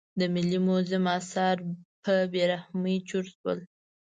د ملي موزیم اثار په بې رحمۍ چور شول.